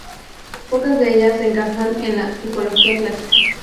Pocas de ellas encajan en la tipología clásica.